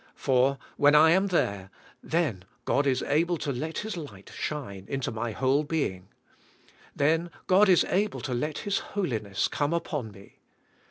For, when I am there, then God is able to let His light shine into my whole being. Then God is able to let His holiness come upon me.